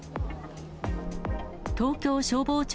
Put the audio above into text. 東京消防庁